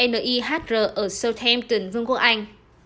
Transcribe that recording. n i h r ở southampton vương quốc anh